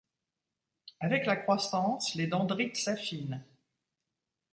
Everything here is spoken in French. Avec la croissance, les dendrites s'affinent.